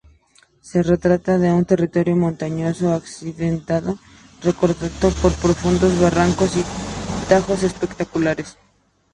Se trata de un territorio montañoso, accidentado, recortado por profundos barrancos y tajos espectaculares.